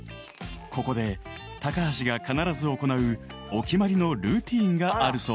［ここで高橋が必ず行うお決まりのルーティンがあるそうで］